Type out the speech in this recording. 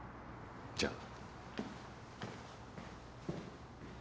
じゃあ。